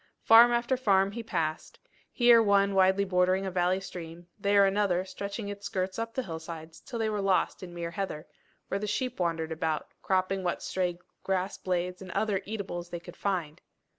Farm after farm he passed, here one widely bordering a valley stream, there another stretching its skirts up the hillsides till they were lost in mere heather, where the sheep wandered about, cropping what stray grass blades and other eatables they could find.